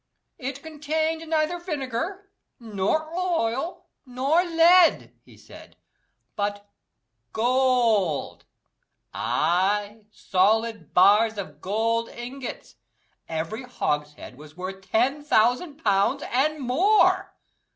"It contained neither vinegar, nor oil, nor lead," he said, "but gold; ay, solid bars of gold ingots. Every hogshead was worth ten thousand pounds, and more."